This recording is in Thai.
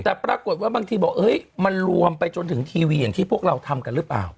แต่ปรากฏว่าบางทีบอกเฮ้ยมันรวมไปจนถึงทีวีอย่างที่พวกเราทำกันหรือเปล่า